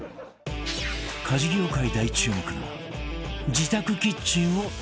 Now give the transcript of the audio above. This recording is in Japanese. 家事業界大注目の自宅キッチンをのぞき見